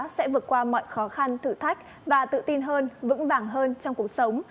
sẽ vượt qua mọi khó khăn thử thách và tự tin hơn vững vàng hơn trong cuộc sống